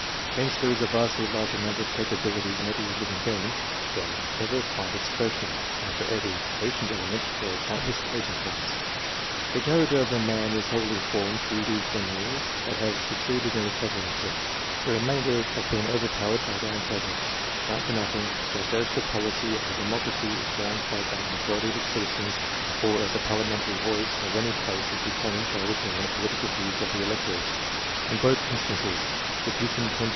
Hence there is a vastly larger number of capabilities in every living being, than ever find expression, and for every patent element there are countless latent ones. The character of a man is wholly formed through those gemmules that have succeeded in attaching themselves ; the remainder that have been over powered by their antagonists, count for nothing^ just as the policy of a democracy is formed by that of the majority of its citizens, or as the parliamentary voice of any place is determined by the dominant political views of the electors : in both instances, the dissei^dent.